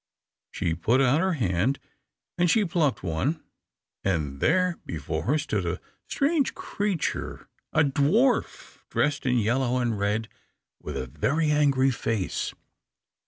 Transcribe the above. She put out her hand and she plucked one, and there before her stood a strange creature a dwarf, dressed in yellow and red, with a very angry face.